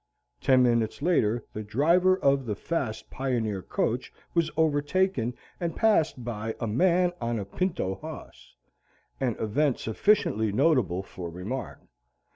Ten minutes later the driver of the fast Pioneer coach was overtaken and passed by a "man on a Pinto hoss," an event sufficiently notable for remark.